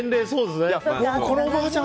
このおばあちゃん